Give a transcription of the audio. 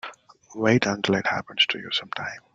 Wait until it happens to you sometime.